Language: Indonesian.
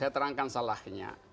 saya terangkan salahnya